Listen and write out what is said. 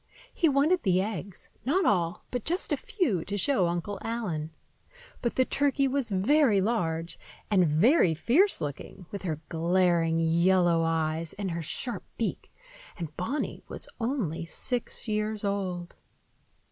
He wanted the eggs,—not all, but just a few, to show Uncle Allen. But the turkey was very large and very fierce looking, with her glaring, yellow eyes and her sharp beak; and Bonny was only six years old.